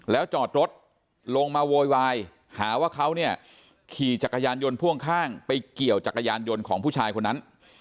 แล้วจอดรถลงมาโวยวายหาว่าเขาเนี่ยขี่จักรยานยนต์พ่วงข้างไปเกี่ยวจักรยานยนต์ของผู้ชายคนนั้น